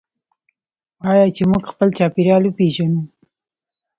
آیا چې موږ خپل چاپیریال وپیژنو؟